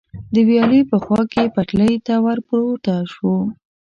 د ویالې په خوا کې پټلۍ ته ور پورته شو.